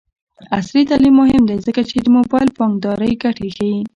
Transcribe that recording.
عصري تعلیم مهم دی ځکه چې د موبايل بانکدارۍ ګټې ښيي.